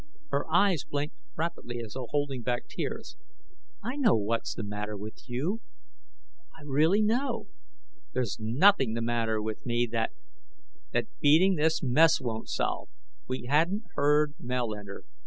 Her eyes blinked rapidly, as though holding back tears. "I know what's the matter with you; I really know." "There's nothing the matter with me that " "That beating this mess won't solve." We hadn't heard Mel enter.